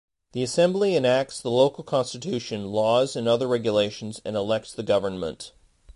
The Assembly enacts the local Constitution, laws and other regulations and elects the Government.